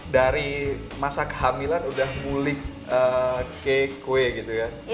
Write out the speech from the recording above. dari masa kehamilan udah mulik kekwe gitu ya